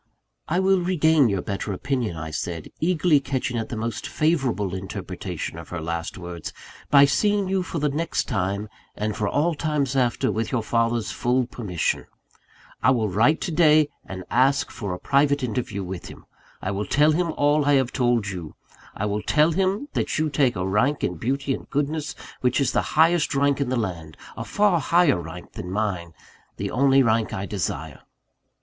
"I will regain your better opinion," I said, eagerly catching at the most favourable interpretation of her last words, "by seeing you for the next time, and for all times after, with your father's full permission. I will write to day, and ask for a private interview with him. I will tell him all I have told you: I will tell him that you take a rank in beauty and goodness, which is the highest rank in the land a far higher rank than mine the only rank I desire."